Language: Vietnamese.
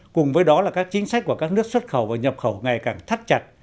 cùng với đó là các chính sách của các nước xuất khẩu và nhập khẩu ngày càng thắt chặt